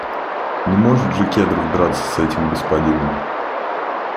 Не может же Кедров драться с этим господином!